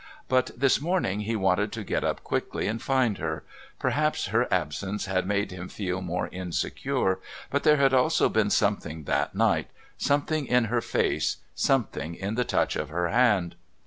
But this morning he wanted to get up quickly and find her. Perhaps her absence had made him feel more insecure, but there had also been something that night, something in her face, something in the touch of her hand.